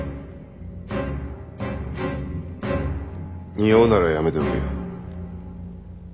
におうならやめておけ。